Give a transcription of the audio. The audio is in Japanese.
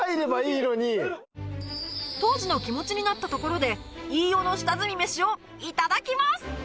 当時の気持ちになったところで飯尾の下積みメシを頂きます